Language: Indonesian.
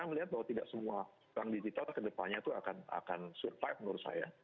dan saya melihat bahwa tidak semua bank digital kedepannya akan survive menurut saya